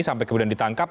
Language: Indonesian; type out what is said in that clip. sampai kemudian ditangkap